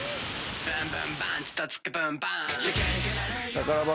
宝箱。